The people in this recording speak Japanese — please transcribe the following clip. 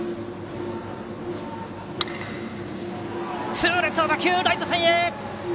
痛烈な打球、ライト線へ！